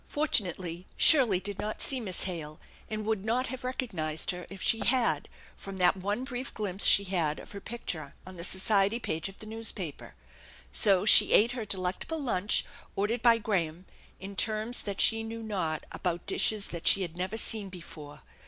Fortunately, Shirley did not see Miss Hale, and would not have recognized her if she had from that one brief glimpse she had of her picture on the society page of the newspaper. So she ate her delectable lunch, ordered by Graham, in terms that she knew not, about dishes that she had never seen before.